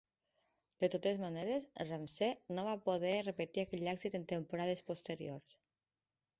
De totes maneres, Ramsay no va poder repetir aquell èxit en temporades posteriors.